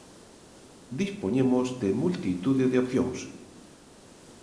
Dispoñemos de multitude de opcións.